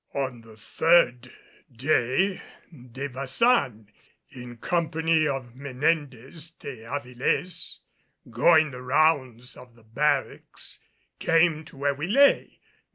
On the third day De Baçan, in company of Menendez de Avilés, going the rounds of the barracks, came to where we lay.